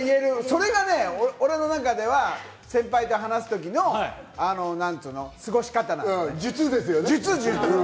それが俺の中では先輩と話すときの過ごし方なのよね、術なの。